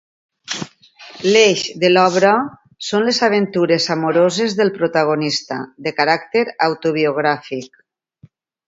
L'eix de l'obra són les aventures amoroses del protagonista, de caràcter autobiogràfic.